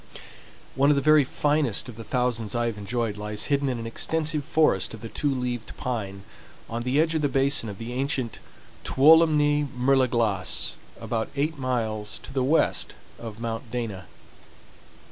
One of the very finest of the thousands I have enjoyed lies hidden in an extensive forest of the Two leaved Pine, on the edge of the basin of the ancient Tuolumne Mer de Glace, about eight miles to the west of Mount Dana.